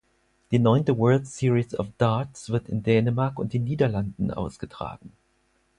Die neunte World Series of Darts wird in Dänemark und den Niederlanden ausgetragen.